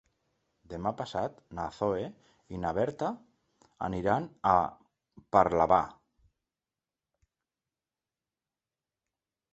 Demà passat na Zoè i na Berta aniran a Parlavà.